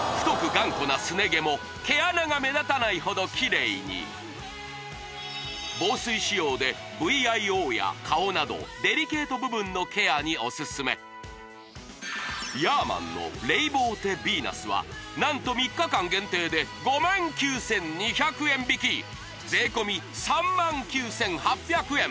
頑固なすね毛も毛穴が目立たないほどキレイに防水仕様でＶＩＯや顔などデリケート部分のケアにオススメヤーマンのレイボーテヴィーナスは何と３日間限定で５９２００円引き税込３９８００円